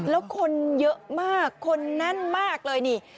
แล้วคนเยอะมากคนแน่นมากเลยนี่